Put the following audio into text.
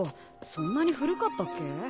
そんなに古かったっけ？